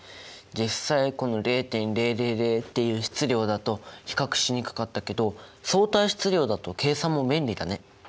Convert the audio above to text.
実際この０．０００っていう質量だと比較しにくかったけど相対質量だと計算も便利だね。